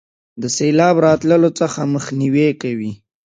د سیلاب راتللو څخه مخنیوي کوي.